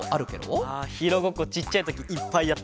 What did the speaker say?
あヒーローごっこちっちゃいときいっぱいやったよ。